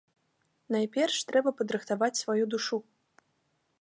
Найперш трэба падрыхтаваць сваю душу.